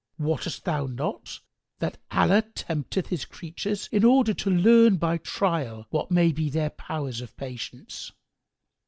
Wottest thou not that Allah tempteth His creatures in order to learn by trial what may be their powers of patience?